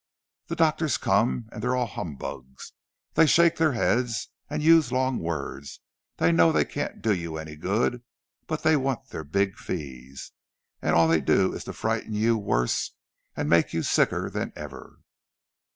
The doctors come, and they're all humbugs! They shake their heads and use long words—they know they can't do you any good, but they want their big fees! And all they do is to frighten you worse, and make you sicker than ever!"